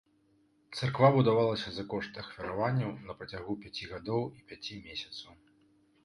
Царква будавалася за кошт ахвяраванняў на працягу пяці гадоў і пяці месяцаў.